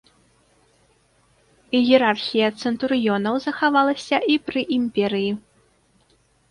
Іерархія цэнтурыёнаў захавалася і пры імперыі.